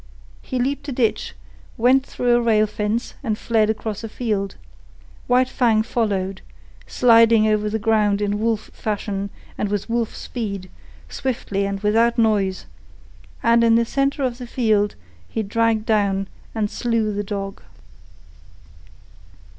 He leaped a ditch, went through a rail fence, and fled across a field. White Fang followed, sliding over the ground in wolf fashion and with wolf speed, swiftly and without noise, and in the centre of the field he dragged down and slew the dog.